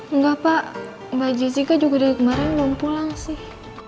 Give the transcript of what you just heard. enggak pak mbak jessica juga dari kemarin belum pulang sih